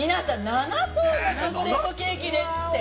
◆７層のチョコレートケーキですって。